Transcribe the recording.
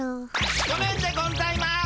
ごめんでゴンざいます。